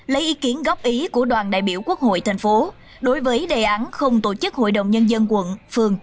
lấy ý kiến góp ý của đoàn đại biểu quốc hội thành phố đối với đề án không tổ chức hội đồng nhân dân quận phường